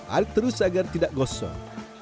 air terus agar tidak gosong